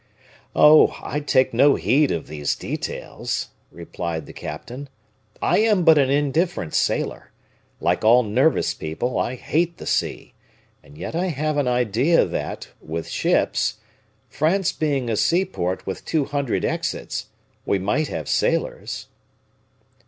"Oh! I take no heed of these details," replied the captain. "I am but an indifferent sailor. Like all nervous people, I hate the sea; and yet I have an idea that, with ships, France being a seaport with two hundred exits, we might have sailors."